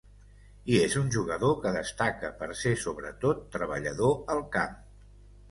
I és un jugador que destaca per ser sobretot treballador al camp.